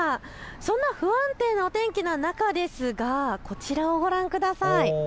そんな不安定な天気の中ですがこちらをご覧ください。